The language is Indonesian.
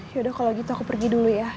yaudah kalau gitu aku pergi dulu ya